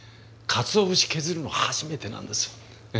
かつお節削るの初めてなんです。